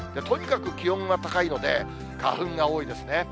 とにかく気温が高いので、花粉が多いですね。